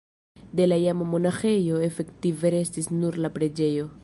De la iama monaĥejo efektive restis nur la preĝejo.